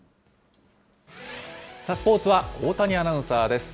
スポーツは大谷アナウンサーです。